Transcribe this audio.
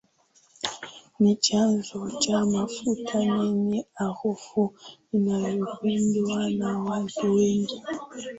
Ni chanzo cha mafuta yenye harufu inayopendwa na watu wengi